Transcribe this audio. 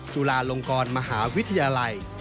จุฬาลงกรมหาวิทยาลัย